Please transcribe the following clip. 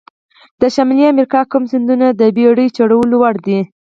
د شمالي امریکا کوم سیندونه د بېړۍ چلولو وړ دي؟